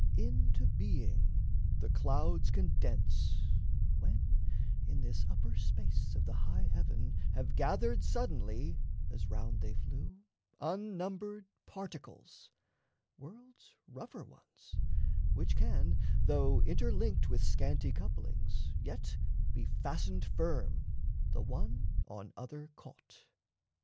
Into being The clouds condense, when in this upper space Of the high heaven have gathered suddenly, As round they flew, unnumbered particles World's rougher ones, which can, though interlinked With scanty couplings, yet be fastened firm, The one on other caught.